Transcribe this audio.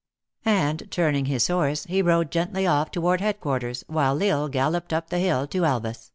And, turning his horse, he rode gently off toward headquarters, while L Isle galloped up the hill to Elvas.